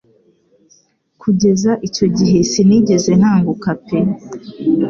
Kugeza icyo gihe sinigeze nkanguka pe